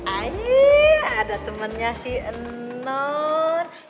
ayo ada temennya si non